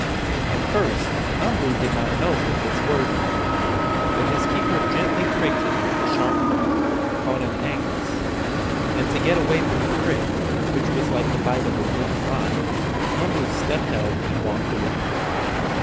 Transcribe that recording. At first Umboo did not know what this word meant. But his keeper gently pricked him with a sharp hook, called an "ankus," and to get away from the prick, which was like the bite of a big fly, Umboo stepped out and walked away.